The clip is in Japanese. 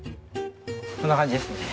こんな感じですね。